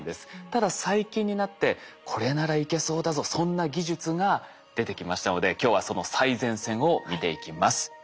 ただ最近になってこれならいけそうだぞそんな技術が出てきましたので今日はその最前線を見ていきます。